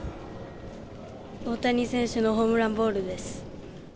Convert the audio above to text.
大谷選手のホームランボールです。